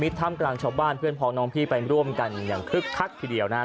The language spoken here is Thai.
ถ้ำกลางชาวบ้านเพื่อนพ้องน้องพี่ไปร่วมกันอย่างคึกคักทีเดียวนะฮะ